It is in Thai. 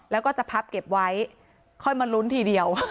แล้วก็จะพับเก็บไว้ค่อยมาลุ้นทีเดียว